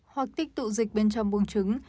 hoặc tích tụ dịch bên trong buồng trứng